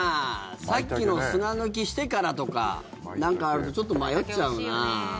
さっきの砂抜きしてからとかなんかあるとちょっと迷っちゃうな。